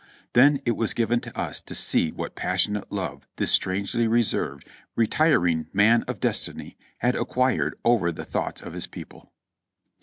Then it was given to us to see what passionate love this strangely reserved, retiring "Man of Destiny" had acquired over the thoughts of his people.